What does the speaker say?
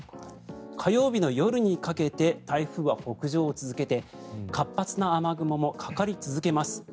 火曜日の夜にかけて台風は北上を続けて活発な雨雲もかかり続けます。